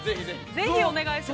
◆ぜひお願いします。